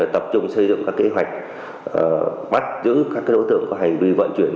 tập trung xây dựng các kế hoạch bắt giữ các đối tượng có hành vi vận chuyển